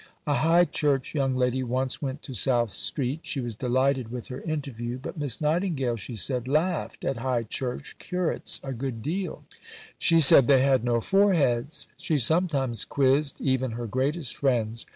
A High Church young lady once went to South Street. She was delighted with her interview, but Miss Nightingale, she said, "laughed at High Church curates a good deal: she said they had no foreheads." She sometimes quizzed even her greatest friends.